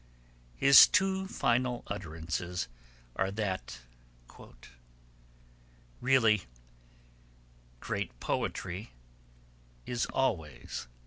His two final utterances are that 'really great poetry is always